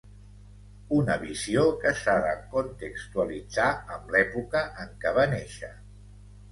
Una visió que s'ha de contextualitzar amb l'època en què va néixer.